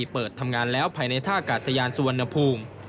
เปิดทำงานแล้วภายในท่ากาศยานสุวรรณภูมิ